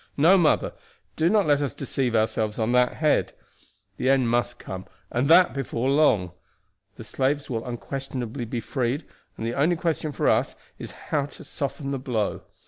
No, mother, do not let us deceive ourselves on that head. The end must come, and that before long. The slaves will unquestionably be freed, and the only question for us is how to soften the blow.